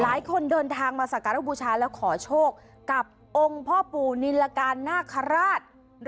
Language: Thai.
หลายคนเดินทางมาสักการะบูชาแล้วขอโชคกับองค์พ่อปู่นิลการนาคาราช